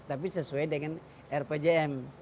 tapi sesuai dengan rpjm